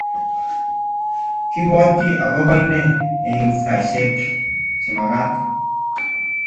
Kibwotii agoba inne eng saishek chemagaat